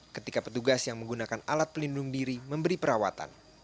ketika petugas yang menggunakan alat pelindung diri memberi perawatan